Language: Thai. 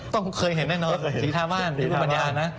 ต้องเคยเห็นแน่นอนสีทาบ้านคุณปัญญานะ